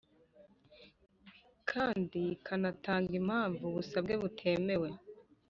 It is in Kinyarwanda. Kandi ikanatanga impamvu ubusabe butemewe